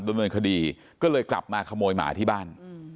ดำเนินคดีก็เลยกลับมาขโมยหมาที่บ้าน